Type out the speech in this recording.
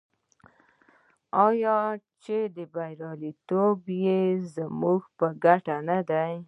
آیا چې بریالیتوب یې زموږ په ګټه نه دی؟